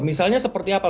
misalnya seperti apa